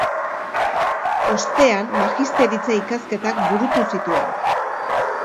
Ostean magisteritza ikasketak burutu zituen.